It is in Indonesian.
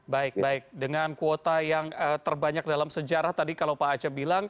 baik baik dengan kuota yang terbanyak dalam sejarah tadi kalau pak aceh bilang